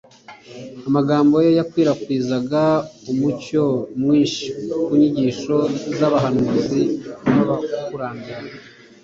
Amagambo ye yakwirakwizaga umucyo mwinshi ku nyigisho z'abahanuzi n'abakurambere